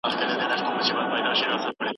خلګ به تل د یو بل له حماقتونو ګټه اخلي.